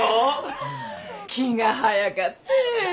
気が早かって。